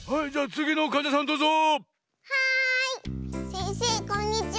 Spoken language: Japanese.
せんせいこんにちは。